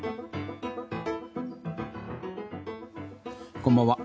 こんばんは。